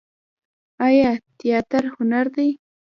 آیا تیاتر هنر دی؟